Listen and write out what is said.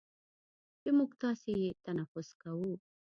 چې موږ تاسې یې تنفس کوو،